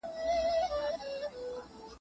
هغه له ځينو سياسي غورځنګونو سره مخالف و.